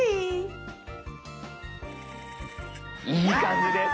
いい感じです。